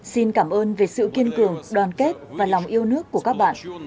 xin cảm ơn về sự kiên cường đoàn kết và lòng yêu nước của các bạn